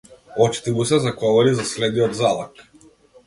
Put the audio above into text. Очите му се заковани за следниот залак.